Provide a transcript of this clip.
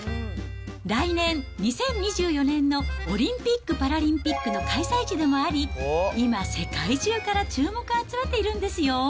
来年・２０２４年のオリンピック・パラリンピックの開催地でもあり、今、世界中から注目を集めているんですよ。